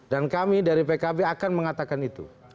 dan kami dari pkb akan mengatakan itu